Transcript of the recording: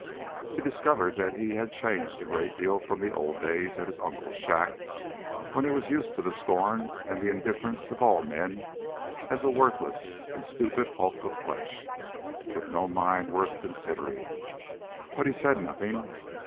He discovered that he had changed a great deal from the old days at his uncle's shack when he was used to the scorn and the indifference of all men as a worthless and stupid hulk of flesh, with no mind worth considering, but he said nothing.